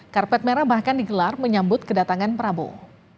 karpet merah bahkan digelar menyambut kedatangan prabowo